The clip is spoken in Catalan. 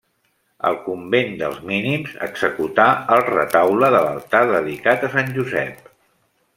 Al convent dels mínims executà el retaule de l'altar dedicat a Sant Josep.